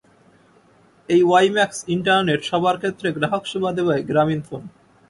এই WiMAX internet সেবার ক্ষেত্রে গ্রাহকসেবা দেবে গ্রামীণফোন।